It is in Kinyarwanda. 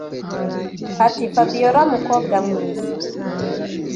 ati”fabiora mukobwa mwiza”